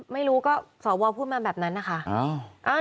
ไม่รู้ก็สวพูดมาแบบนั้นนะคะ